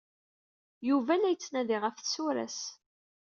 Yuba la yettnadi ɣef tsura-s.